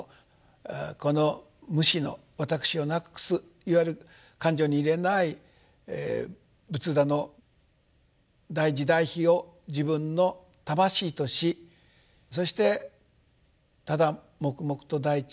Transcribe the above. この無私の私を無くすいわゆる勘定に入れない仏陀の大慈大悲を自分の魂としそしてただ黙々と大地に生きる。